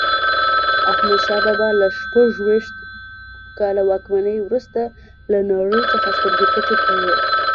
احمدشاه بابا له شپږویشت کاله واکمنۍ وروسته له نړۍ څخه سترګې پټې کړې.